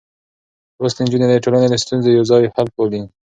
لوستې نجونې د ټولنې ستونزې يوځای حل پالي.